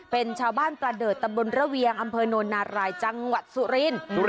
เป็นชาวบ้านประเดิดตำบลระเวียงอำเภอโนนารายจังหวัดสุรินทร์